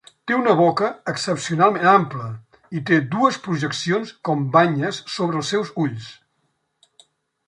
Té una boca excepcionalment ampla, i té dues projeccions com banyes sobre els seus ulls.